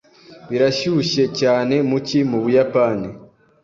Birashyushye cyane mu cyi mu Buyapani.